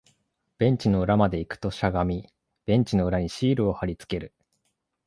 ベンチの裏まで行くと、しゃがみ、ベンチの裏にシールを貼り付ける